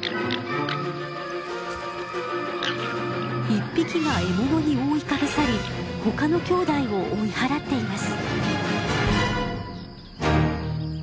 １匹が獲物に覆いかぶさり他のきょうだいを追い払っています。